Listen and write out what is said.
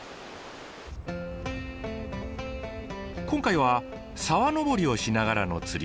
今回は沢登りをしながらの釣り。